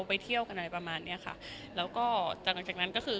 ไปเที่ยวกันอะไรประมาณเนี้ยค่ะแล้วก็จากหลังจากนั้นก็คือ